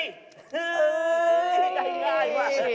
โอ๊ย